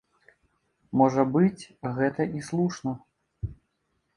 Можа быць, гэта і слушна.